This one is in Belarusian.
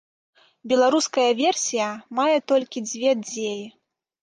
Беларуская версія мае толькі дзве дзеі.